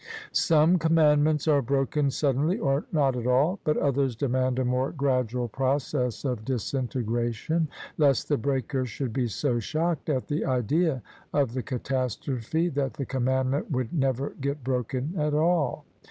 Some Commandments are broken suddenly or not at all : but others demand a more gradual process of disintegration, lest the breaker should be so shocked at the idea of the catastrophe that the Commandment would never get broken at all.